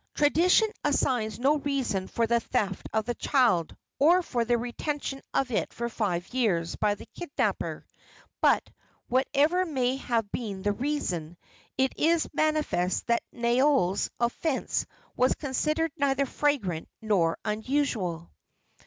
Tradition assigns no reason for the theft of the child, or for the retention of it for five years by the kidnapper; but, whatever may have been the reason, it is manifest that Naeole's offence was considered neither flagrant nor unusual.